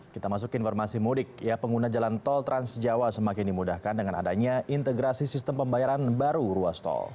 kita masuk ke informasi mudik pengguna jalan tol trans jawa semakin dimudahkan dengan adanya integrasi sistem pembayaran baru ruas tol